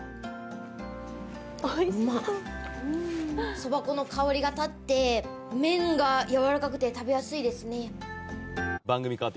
そば粉の香りが立って麺がやわらかくて食べやすいですね。